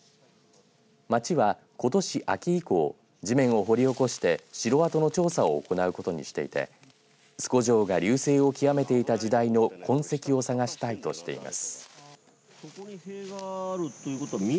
町はことし秋以降地面を掘り起こして城跡の調査を行うことにしていて須古城が隆盛を極めていた時代の痕跡を探したいとしています。